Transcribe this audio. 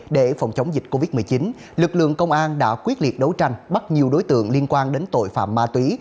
để phòng chống dịch covid một mươi chín lực lượng công an đã quyết liệt đấu tranh bắt nhiều đối tượng liên quan đến tội phạm ma túy